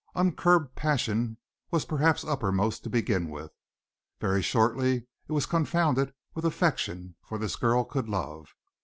Uncurbed passion was perhaps uppermost to begin with; very shortly it was confounded with affection, for this girl could love.